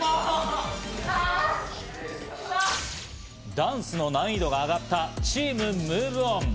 ダンスの難易度が上がったチームＭｏｖｅＯｎ。